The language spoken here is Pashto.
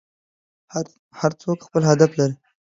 هر څوک خپل هدف لري.